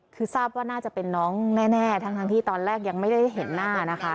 คือทราบว่าน่าจะเป็นน้องแน่ทั้งที่ตอนแรกยังไม่ได้เห็นหน้านะคะ